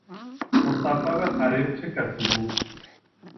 مسبب حریق چه کسی بود؟